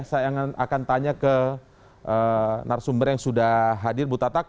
saya akan tanya ke narasumber yang sudah hadir bu tatak